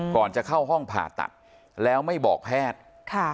ก่อนจะเข้าห้องผ่าตัดแล้วไม่บอกแพทย์